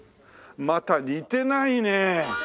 また似てないね。